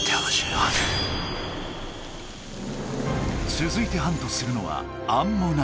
つづいてハントするのはアンモナイト。